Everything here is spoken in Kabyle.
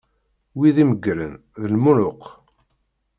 Wid imeggren, d lmuluk.